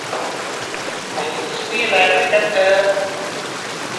ไปดิสนี่แลนด์ด้วยกันเถอะ